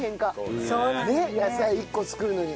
野菜１個作るのに。